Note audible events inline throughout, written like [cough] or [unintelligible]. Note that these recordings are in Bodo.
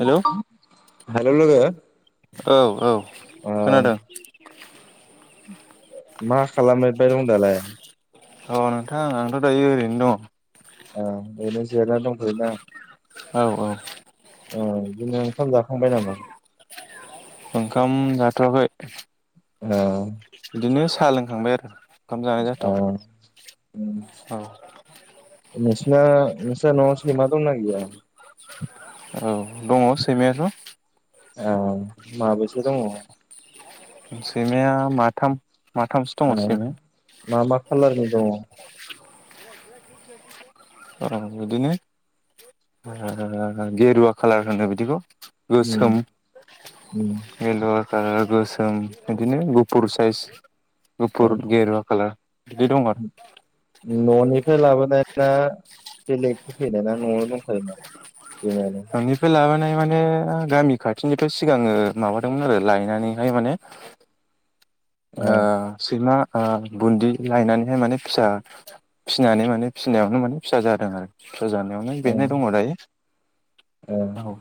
हेलौ हेल' लोगो औ-औ ओ खोनादों मा खालामनोथो दं दालाय अ नोंथांं आंथ' दायो ओरैनो दङ औ ओरैनो जिरायना दंथयो दा औ-औ अ बिदिनो ओंखाम जाखांबाय नामा? ओखाम जाथ'आखै। औ बिदिनो साहा लोंखांबाय आरो। ओंखाम जानाय जाथ'वाखै ओओ औ नोंसिना नोंसिना नवाव सैमा दंना गैया। औ दङ सैमायाथ'। औ माबैसे दङ। सैमाया माथाम। माथामसो दङ ओह सैमाया मा मा खालारनि औ। अ बिदिनो ओह गेरुवा खालार होनो बिदिखौ। उम गोसोम उम बेलर ओ गोसोम बिदिनो गुफुर साइस ओ गुफुर गेरुवा कालार बिदि दं आरो न'निफ्राय लाबोनाया। बेलेग होफैनाय ना न'आव दंखायोमोन। सैमायालाय न'निफ्राय लाबोनाय माने गामि खाथिनिथ' सिगाङो माबादोंमोन आरो लायनानैहाय माने। ओ ओह सैमा ओह बुन्दि लायनानैहाय माने फिसा फिसिनानै माने फिसिनायावनो माने फिसा जादों आरो। फिसा जानायावनो बेनो दङ दायो। ओह औ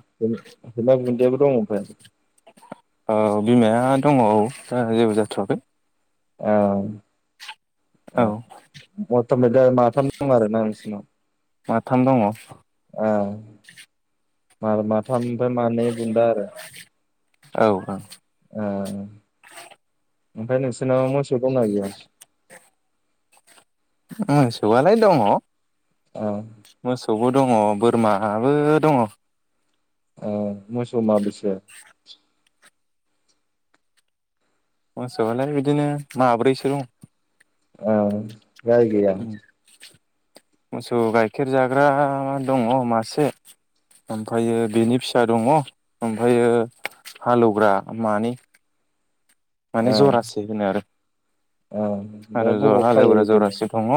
सैमा बुन्दियाबो दं ओमफाय औ बिमाया दङ औ दा जेबो जाथ'वाखै। औ ओ ओमफाय औ ओमफाय दा माथाम दं आरो ना नोंसिनाव? माथाम दङ। औ आर मा थाफ ओमफाय मानै बुन्दा आरो औ औ ओह ओमफ्राय नोंसोरनाव दंना गैया। ओह सौवालायनो दङ ओ। मोसौबो दङ बोरमाबो दङ' ओह मोसौ माबैसे? मोसौआलाय बिदिनो माब्रैसो दं औ गाय गैया? उम मोसौ गाइखेर जाग्रा दङ' मासे ओमफायो बेनि फिसा दङ ओमफायो हालौवग्रा मानै। माने ओ ओ जरासै होनो आरो। आरो ओमफ्राय ज बबाव खायो हालेवग्रा बेलाय जरासे दङ'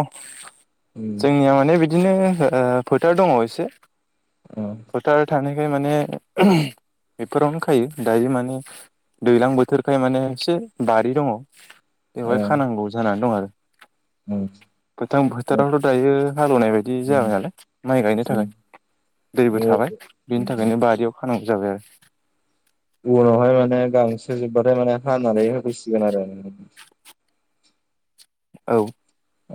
उम जोंनिया माने बि बिदिनो ओ फोथार दङ' एसे ओ फोथार थानाय खाय माने [unintelligible] बेफोरावनो खायो दायो माने दैज्लां बोथोरखाय माने से बारि दङ' बेवहाय खानांगौ जानानै दं आरो गोथां फोथारावथ' दायो हालेवनाय बायदि जाबाय नालाय माइ गायनो थाखाय दैबो ओ उम ओ थाबाय बिनि उम थाखायनो बारियाव खानांगौ जाबाय आरो खानानै सिगोन आरो उम औ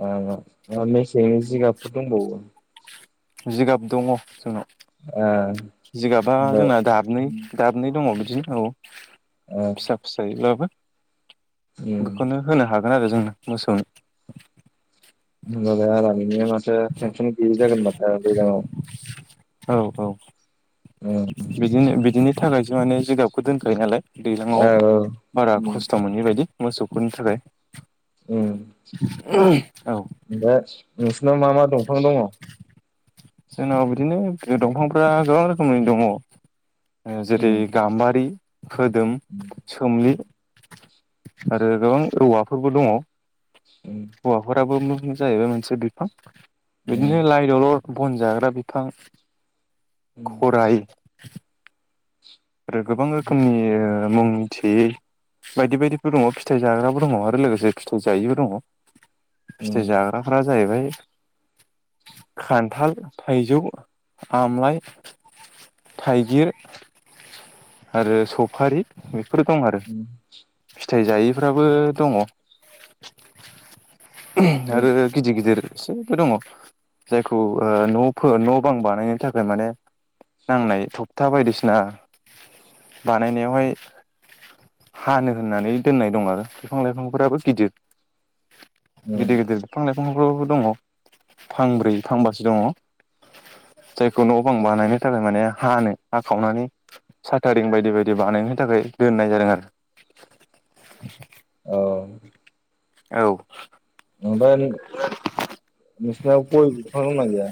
ओ बेसेननि जिगाबफोर दंबावो जिगाब दङ' जोंनाव ओमफ्राय जिगाबा जोंना दाबनै दाबनै दङ बिदिनो औ ओ फिसा फिसायैब्लाबो उम बेखौनो होनो हा गोन आरो जोंना मोसौनो। [unintelligible] आरामैनो थो टेनसन गैयि जागोन माथो दैज्लांआव। औ औ बिदिनो बिदिनो थाखायसो माने जिगाबखौ दोनखायो नालाय औ दैज्लाङाव बारा उम खस्थ' मोनै बायदि मोसौफोरनि थाखाय ओम औ ओमफाय नोंसिनाव मा मा दं? फां दङ' जोंनाव बिदिनो दंफांफ्रा गोबां रोखोमनि दङ' जेरै उम गाम्बारि फोदोम सोमलि आरो गोबां औवाफोरबो दङ' उम हौवाफोराबो जाहैबाय मोनसे बिफां उम बिदिनो लाइ दलर बन जाग्रा बिफां उम खराइ आरो गोबां रोखोमनि मुं मिथियै बायदि बायदिबो दङ फिथाइ जाग्रााबो दङ आरो लोगोसे फिथाइ जायिबो दङ फिथाइ उम जाग्राफ्रा जाहैबाय खान्थाल, थाइजौ, आमलाइ, थाइगिर आरो सफारि बे फोर दं आरो उम फिथाइ जायैफ्राबो दङ आरो गिदिर गिदिर एसेबो दङ जायखौ न'फोर न' बां बानायनो थाखाय माने नांनाय थबथा बायदिसिना बानायनायावहाय हानो होननानै दोननाय दं आरो बिफां लाइफांफोराबो गिदिर उम गिदिर गिदिर बिफां बिफांफ्राबो दङ फांब्रै फांबासो दङ जायखौ न' बां बानायनो थाखाय माने हानो हाखावनानै साथारिं बायदि बायदि बानायनो थाखाय दोननाय जादों आरो औ औ ओमफ्राय नोंसिना गय बिफां दंना गैया?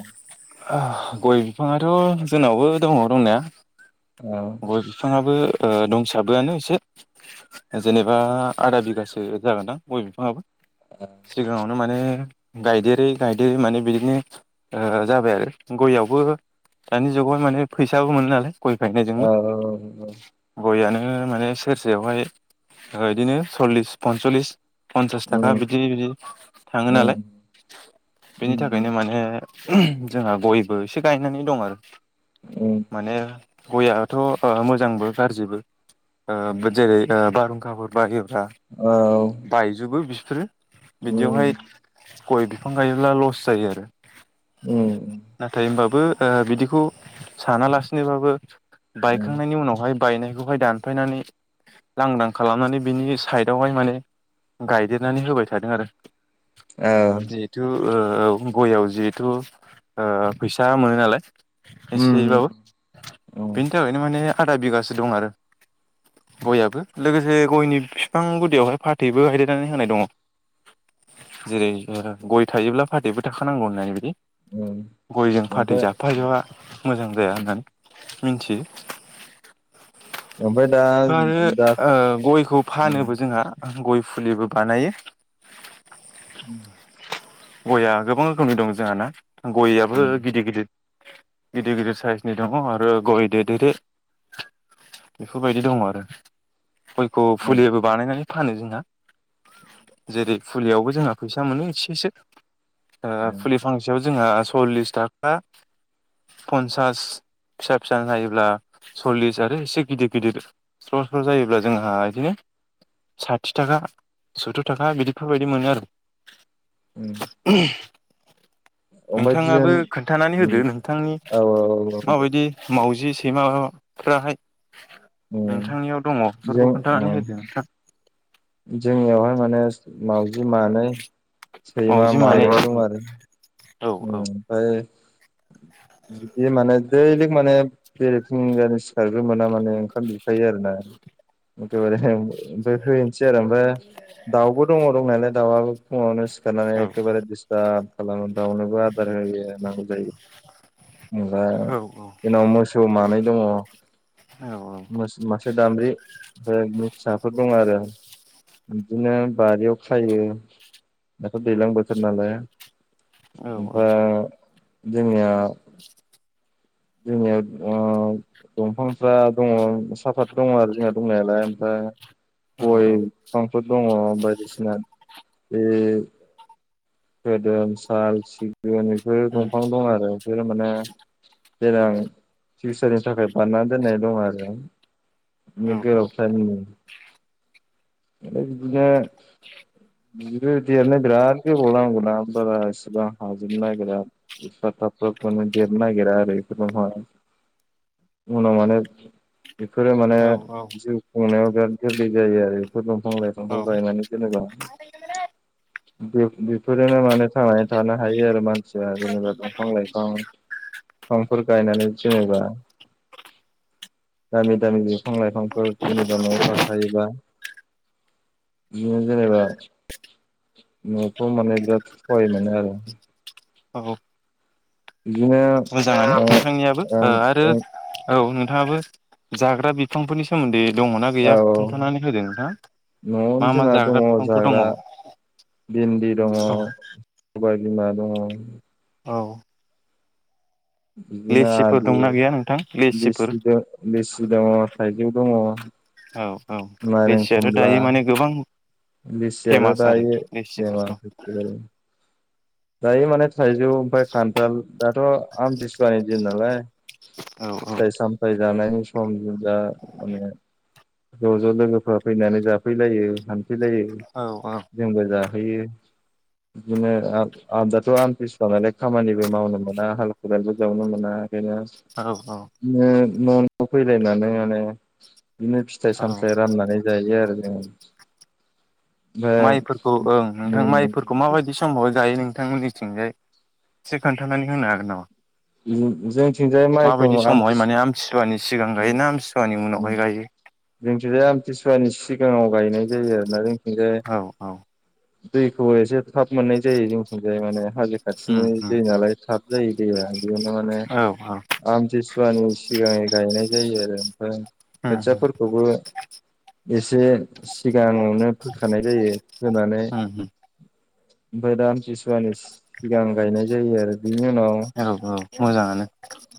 गय बिफाङाथ' जोंनावबो दङ दंनाया औ गय बिफाङाबो दंसाबोआनो एसे जेनेबा आदा बिगासो जागोनदां गय बिफाङाबो सिगां नो माने गायदेरै गायदेरै माने बिदिनो जाबाय आरो गययावबो दानि जुगाव माने फैसाबो मोनो नालाय गय फान्नाय जोंबो [inaudible] गयानो माने सेरसेयावहाय बिदिनो सल्लिस पनस्लिस फन्सास थाखा उम बिदि बिदि थाङो नालाय उम बेनि थाखायनो उम माने जोंहा गयबो एसे गायनानै दं आरो माने गया थ' मोजांबो गाज्रिबो ओ जेरै ओ बारहुंखाफोर बायो औ उम औ बायजोबो स्रि [unintelligible] बिदिआवहाय उम गय बिफां गायोब्ला लस जायो आरो उम नाथाय होनबाबो बिदिखौ सानालासिनोबाबो बायखांनायनि उनावहाय बायनायखौहाय दानफायनानै लांदां खालामनानै बिनि साइडआवहाय माने गायदेरनानै होबाय थादों आरो औ जिहेथु ओ गययाव जिहेथु ओ फैसा मोनो नालाय एसेयैबाबो बेनि थाखायनो माने आदा बिगासो दं आरो गययाबो लोगोसे गयनि बिफां गुदियावहाय फाथैबो गायदेरनानै होनाय दङ जेरै गय थायोब्ला फाथैबो थाखानांगौ होनाय बायदि उम गयजों फाथै ओमफ्राय जाफाजाबा मोजां जाया होननानै मोनथि ओमफ्राय दा दा आरो गयखौ उम फानोबो जोंहा गय फुलिबो बानायो उ गयया गोबां रोखोमनि दं जोंहा ना गययाबो गिदिर गिदिर गिदिर गिदिर साइसनि दङ आरो गय दे दे रे बेफोरबायदि दङ आरो खयखौ उम फुलिबो बानाय नानै फानो जोंहा जेरै फुलियावबो जोंहा फैसा मोनो एसेसो उम फुलि फांसेयाव जोंहा सल्लिस थाखा पन्सास फिसा फिसा हायोब्ला सल्लिस आरो एसे गिदिर गिदिर स्र स्र जायोब्ला जोंहा बिदिनो साथि थाखा सुथुर थाखा बिफोरबायदि मोनो आरो [inaudible] उम ओमफ्राय जों नोंथाङाबो खोन्थानानै होदो उम नोंथांनि औ औ औ दे माबायदि मावजि बिमा फ्राहाय उम नोंथांनियाव दङ बेफोरखौ खोन्थानानै होदो नोंथां जोंनि आवहाय माने बि मानै सैमा मावजि मानै दं औ आरो औ ओमफ्राय बिदि माने दैलिक माने बेरे फुंगानि सिखारग्रो मोना माने ओंखाम बिफायो आरो ना। एखेबारे हैनोसै आरो ओमफ्राय दाउबो दङ दंनालाय दावाबो फुङावनो सि खारनानै औ एखेबारे दिसथाब खालाम दावनोबो आदार होयो नांगौ जायो। जेनबा औ जोंनाव मोसौ मानै दङ औ मोस मासे दामब्रि ओमफाय बिनि फिसा फोर दं आरो बिदिनो बारियाव खायो दाथ' दैज्लां बोथोर नालाय औ ओमफाय जोंनिया जोंनियाव ओ दंफांफ्रा दङ साहाफात दङ आरो जोंहा दंनायालाय ओमफ्राय औ गय औ उम औ बिफांफोर दङ बायदिसिना बे खोदोम साल सिग गुन इफोरो दंफां दं आरो बेफोरो माने देनां फिउसारनि थाखाय बानायना दोननाय दं आरो नोगो फान [unintelligible] बिदिनो देरनो बिराद गो बारा इसिबां हाजोबनो नागिरा एफा थाब थाबखोनो देरनो नागिरा आरो बेफोर दंफाङा उनाव माने बेफोरो माने औ औ जिउ खुंनायाव बिराद गोरलै जायो आरो बेफोर दं बिफां लाइफांखौ औ गायनानै दोननांगौ। बे बेफोरोनो माने थांनानै थानो हायो आरो मा सिया जेनेबा दंफां लाइफां फिफांफोर गायनानै जेनेबा दामि दामि बिफां लाइ फांफोर जेनेबा न'आव थाखायोबा बिदिनो जेनेबा न' फ्राव माने बिराद साहाय मोनो आरो औ। बिदिनो मोजाङानो ओ नोंथांनियाबो ओं आरो ओं औ थाङाबो जाग्रा बिफांफोरनि सोमोन्दै दङना गैया औ खोन्थानानै होदो नोंथां न'आव मा मा जोंना जाग्रा दङ बिफांफोर दङ जाग्रा औ भिन्दि दङ सबाइ बिमा दङ औ। बिदिनो लेसिफोर आदि दंना गैया नोंथां लेसिफोर लिसि दो लिसि दङ थाइजौ दङ औ। औ लेसियाथ' दायो माने गोबां लेचियाथ' फेमास आरो लेसिफोरखौ दायो [inaudible] दायो माने थायजौ ओयफाय खान्थाल दाथ' आमथिसुवानि दिन नालाय औ औ फिथाय सामथाइ जानायनि सम [inaudible] माने ज'ज' लोगोफ्रा फैलायना जाफैलायो फैलायो औ जों गोजा फैयो बिदिनो आमथि ओ दाथ' आमथिसुवा माने खामानिबो मावनो मोना हाल खदालबो जावनो मोना। बेनो औ औ [inaudible] न' न'आव फैलायनानै माने बिदिनो फिथाइ औ सामथाइ राननानै जायो आरो। ए माइफोरखौ ओं नोंथां माइफोरखौ माबायदि समाव गायो नों थांमोननिथिंजाय एसे खोन्थानानै होनो हागोन नामा? जोंथिंजाय मायखौ माबायदि आमथि समावहाय माने आमथिसुवानि सिगां गायो ना आमथिसुवानि उनावहाय गायो जोंथिंजाय आमथिसुवानि सि गाङाव गायनाय जायो आरोना जों औ औ। दैखौ ऐसे थाब मोननाय जायो जोंथिंजाय माने हाजो उम खाथिनि उम दै नालाय थाब जायो दैया बेदिनो माने औ आमथिसुवानि सिगां गायनाय जायो आरो। ओम उम खोथियाफोरखौबो एसे सिगाङावनो फोखानाय जायो। फोनानै उम उम ओमफ्राय दा आमथि सुवानि सिगां गायनाय जायो आरो। बिनि उनाव औ औ मोजाङानो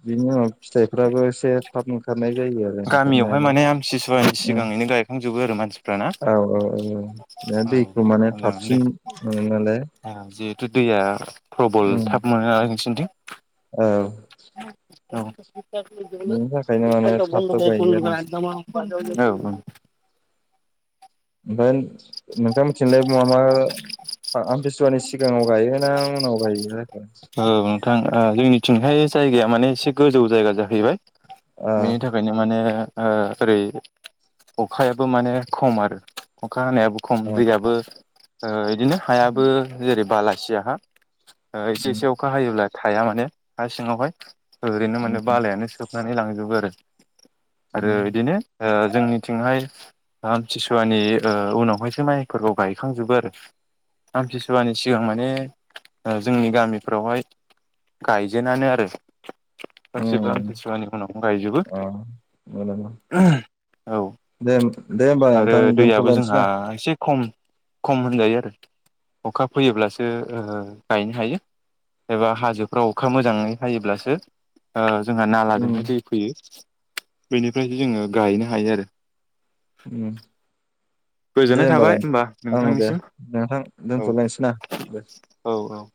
बिनि उनाव फिथाइफ्राबो एसे थाब ओंखा गामियावहाय माने आमथिसुवानि उम सिगाङैनो गायखांजोबो आरो मानसिफ्रा ना? औ औ औ औ औ दैखौ माने मोजाङानो दे थाबसिन मोनो नालाय जिहेथु दैया फ्रबल उम थाब मोनो नालाय। [unintelligible] औ। [unintelligible] बिनि थाखायनो माने थाब थाब गायो आरो औ। [unintelligible] ओमफ्राय नोंथाङा मिथिनोलाय मा मा आमथिसुवानि सिगाङाव गायोना उनाव गायो औ नोंथां ओ जोंनिथिंहाय जायगाया माने एसे गोजौ जायगा जाहैबाय। ओ बेनि थाखायनो माने ओ ओरै अखायाबो माने खम आरो अखा। अखा हायाबो खम ओ दैयाबो ओ इदिनो हायाबो जेरै बाला सियाहा ओ एसे एसे हायोब्ला थाया माने हा सिङावहाय। ओरैनो माने बालायानो सोब खुरनानै लांजोबो आरो। आरो उम बिदिनो ओ जोंनिथिंहाय आमथिसुवानि ओ उनावहायसो माइफोरखौ गायखांजोबो आरो आमथिसुवानि सिगां माने ओ जोंनि गामि फोरावहाय गायजेनानो आरो। [unintelligible] उम खम अ खम होनजायो दे दे होमबा आरो नोंथां दोनथ'लायनोसै ना अखा फैयोब्लासो ओ गायनो हायो। एबा हाजोफ्राव अखा मोजाङै हायोब्लासो ओ जोंहा उम नालाजोंहाय दै फैयो । बेनिफ्रायसो जोङो गायनो हायो आरो। उम। दे गोजोननाय होमबालाय थाबाय होमबा ओं दे नोंथांनिसिम नोंथां औ दोनथ'लायनोसै ना दे औ औ। ऊ